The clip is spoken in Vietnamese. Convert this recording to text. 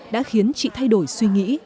đã khiến chị thay đổi suy nghĩ